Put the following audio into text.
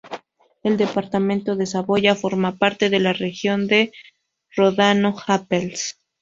El departamento de Saboya forma parte de la región de Ródano-Alpes.